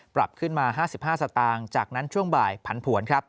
ปรับขึ้นมา๕๕สตางค์จากนั้นช่วงบ่ายผันผวนครับ